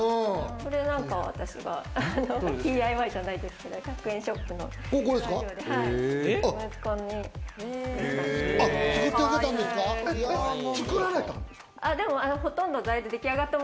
これなんかは、私がＤＩＹじゃないですけど１００円ショップで息子に作った。